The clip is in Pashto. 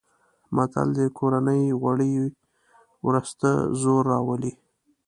متل دی: کورني غوړي ورسته زور راولي.